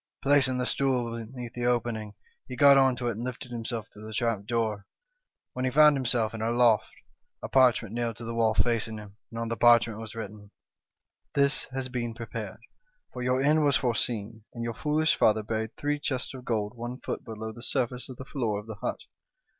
Placing the stool beneath the opening, he got on to it, and lifted himself through the trap door, when he found himself in a loft, a parchment nailed to the wall facing him, and on the parchment was written, ' This has been pre pared, for your end was foreseen, and your foolish father buried three chests of gold one foot below the surface of the floor of the hut.